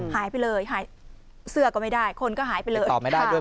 หายไปเลยเสือก็ไม่ได้คนก็หายไปเลย